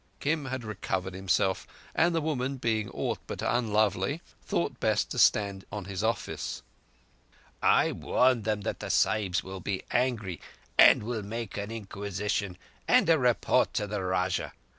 Kim had recovered himself, and, the woman being aught but unlovely, thought best to stand on his office. "I warned them that the Sahibs will be angry and will make an inquisition and a report to the Rajah.